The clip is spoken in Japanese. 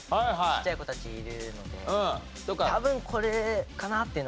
ちっちゃい子たちいるので多分これかなっていうのは。